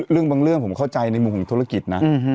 เรื่องบางเรื่องผมเข้าใจในมุมของธุรกิจนะ